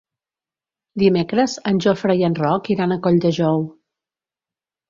Dimecres en Jofre i en Roc iran a Colldejou.